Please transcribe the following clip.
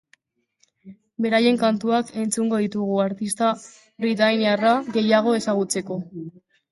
Beraien kantuak entzungo ditugu artista britainiarra gehiago ezagutzeko.